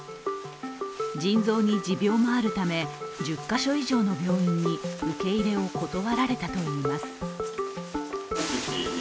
腎臓に持病もあるため、１０か所以上の病院に受け入れを断られたといいます。